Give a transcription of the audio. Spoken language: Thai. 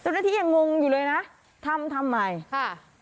เจ้าหน้าที่ยังงงอยู่เลยนะทำทำไมค่ะ